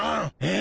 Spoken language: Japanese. え？